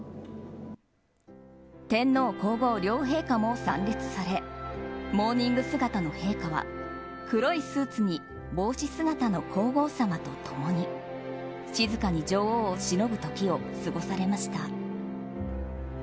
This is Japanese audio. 天皇・皇后両陛下も参列されモーニング姿の陛下は黒いスーツに帽子姿の皇后さまと共に静かに女王をしのぶ時を過ごされました。